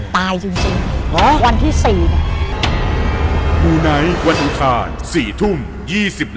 ตายจริงวันที่๔เนี่ย